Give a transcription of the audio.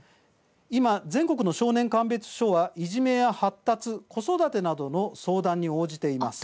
今、全国の少年鑑別所はいじめや発達、子育てなどの相談に応じています。